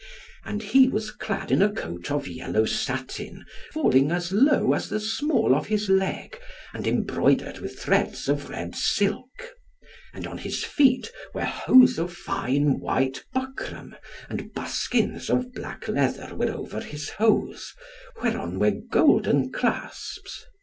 And he was clad in a coat of yellow satin, falling as low as the small of his leg, and embroidered with threads of red silk. And on his feet were hose of fine white buckram, and buskins of black leather were over his hose, whereon were golden clasps.